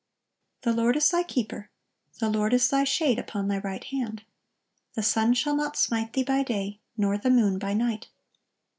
(1080) "The Lord is thy keeper: the Lord is thy shade upon thy right hand. The sun shall not smite thee by day, nor the moon by night.